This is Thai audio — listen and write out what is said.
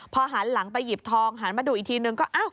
พอหันหลังไปหยิบทองหันมาดูอีกทีนึงก็อ้าว